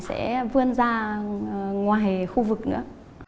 sẽ vươn ra ngoài khu vực nữa